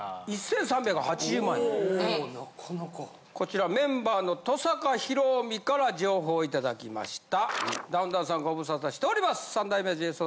こちらメンバーの登坂広臣から情報を頂きました。